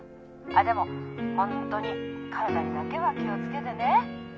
「でもホントに体にだけは気をつけてね」